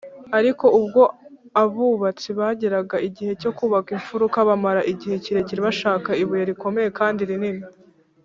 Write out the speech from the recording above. ariko ubwo abubatsi bageraga igihe cyo kubaka imfuruka, bamara igihe kirekire bashaka ibuye rikomeye kandi rinini,